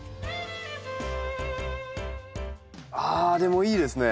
ああでもいいですね。